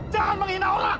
jangan menghina orang